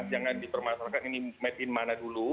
jangan dipermasalahkan ini made in mana dulu